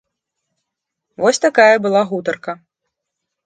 Вось такая была гутарка.